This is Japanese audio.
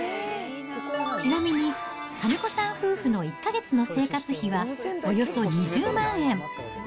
ちなみに、金子さん夫婦の１か月の生活費はおよそ２０万円。